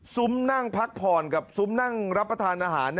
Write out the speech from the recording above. นั่งพักผ่อนกับซุ้มนั่งรับประทานอาหาร